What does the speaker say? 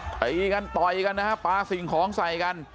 ตีกันต่อยกันนะฮะปลาสิ่งของใส่กัน